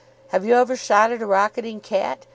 Have you ever shot at a rocketing cat?